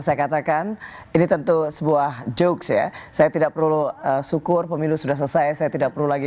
saya katakan ini tentu sebuah jokes ya saya tidak perlu syukur pemilu sudah selesai saya tidak perlu lagi